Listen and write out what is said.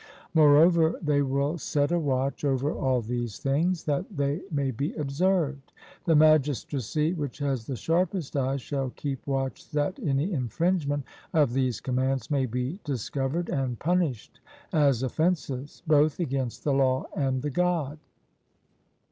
Moreover they will set a watch over all these things, that they may be observed; the magistracy which has the sharpest eyes shall keep watch that any infringement of these commands may be discovered and punished as offences both against the law and the God.